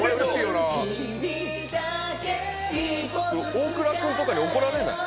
大倉君とかに怒られない？